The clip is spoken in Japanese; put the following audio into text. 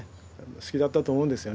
好きだったと思うんですよね。